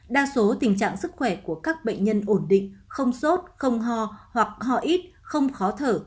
đa số tình trạng sức khỏe của các bệnh nhân ổn định không sốt không ho hoặc ho ít không khó thở